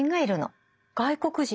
外国人？